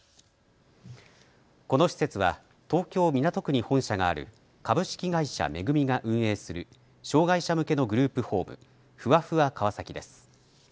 この施設は東京港区に本社がある株式会社恵が運営する障害者向けのグループホーム、ふわふわ川崎です。